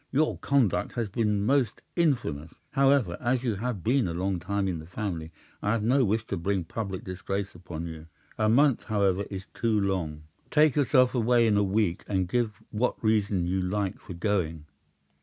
"Your conduct has been most infamous. However, as you have been a long time in the family, I have no wish to bring public disgrace upon you. A month, however is too long. Take yourself away in a week, and give what reason you like for going."